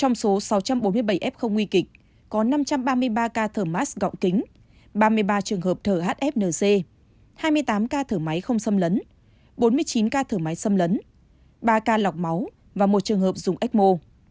trong số các f điều trị tại bệnh viện có bảy trăm bốn mươi bảy f nguy kịch có năm trăm ba mươi ba ca thở mát gọng kính ba mươi ba trường hợp thở hfnz hai mươi tám ca thở máy không xâm lấn bốn mươi chín ca thở máy xâm lấn ba ca lọc máu và một trường hợp dùng ecmo